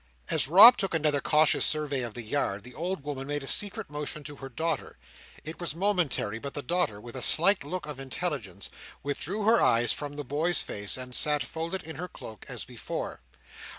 As Rob took another cautious survey of the yard, the old woman made a secret motion to her daughter. It was momentary, but the daughter, with a slight look of intelligence, withdrew her eyes from the boy's face, and sat folded in her cloak as before.